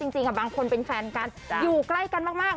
จริงบางคนเป็นแฟนกันอยู่ใกล้กันมาก